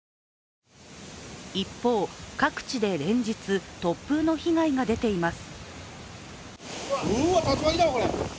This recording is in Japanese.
一方、各地で連日突風の被害が出ています。